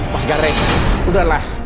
mas gareng udahlah